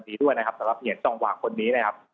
สำหรับเหตุจังหวังคนนี้นะครับ